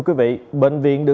người bệnh covid một mươi chín